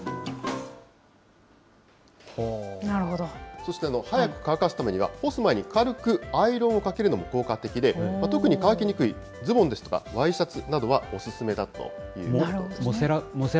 そして、速く乾かすためには、干す前に軽くアイロンをかけるのも効果的で、特に乾きにくいズボンですとか、ワイシャツなどはお勧めだということです。